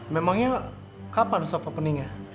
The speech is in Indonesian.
memangnya kapan soft openingnya